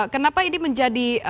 kenapa ini menjadi